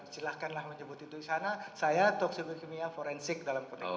silahkanlah menyebut itu di sana saya toksikologi kimia forensik dalam proteksi